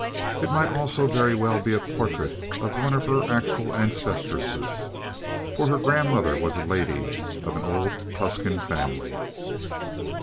It might also very well be a portrait of one of her actual ancestresses, for her grandmother was a lady of an old Tuscan family.